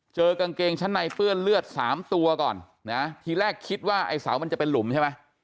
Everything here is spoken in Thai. กางเกงชั้นในเปื้อนเลือดสามตัวก่อนนะทีแรกคิดว่าไอ้เสามันจะเป็นหลุมใช่ไหม